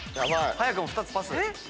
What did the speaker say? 早くも２つパス。